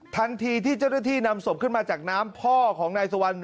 ทันทีที่เจ้าหน้าที่นำศพขึ้นมาจากน้ำพ่อของนายสุวรรณ